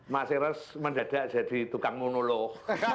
mas eros mendadak jadi tukang monolog